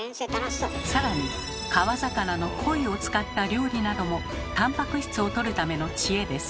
更に川魚の鯉を使った料理などもタンパク質をとるための知恵です。